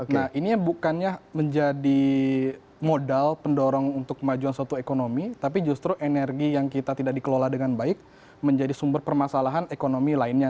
nah ini bukannya menjadi modal pendorong untuk kemajuan suatu ekonomi tapi justru energi yang kita tidak dikelola dengan baik menjadi sumber permasalahan ekonomi lainnya